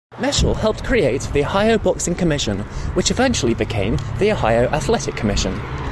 Meshel helped create the Ohio Boxing Commission, which eventually became the Ohio Athletic Commission.